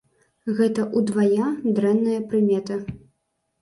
Гэта ўдвая дрэнная прымета.